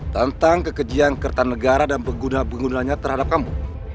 tentang kekejian kertanegara dan pengguna penggunanya terhadap kamu